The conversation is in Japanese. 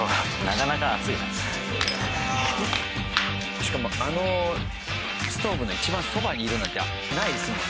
しかもあのストーブの一番そばにいるなんてないですもんね。